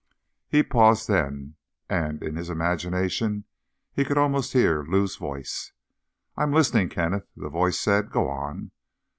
_ He paused then, and, in his imagination, he could almost hear Lou's voice. "I'm listening, Kenneth," the voice said. "Go on."